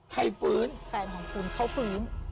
ฟื้นแฟนของคุณเขาฟื้น